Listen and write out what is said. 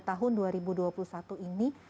tahun dua ribu dua puluh satu ini